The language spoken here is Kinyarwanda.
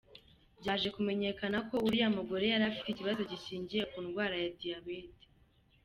Byaje kumenyekana ko uriya mugore yari afite ikibazo gishingiye ku ndwara ya Diyabete.